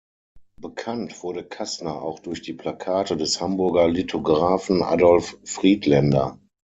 Bekannt wurde Kassner auch durch die Plakate des Hamburger Lithografen Adolph Friedländer.